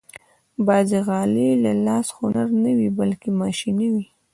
بعضې غالۍ د لاس هنر نه وي، بلکې ماشيني وي.